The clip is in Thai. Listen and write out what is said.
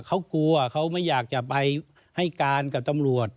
เขากลัวเขาไม่อยากจะไปให้การกับตำรวจ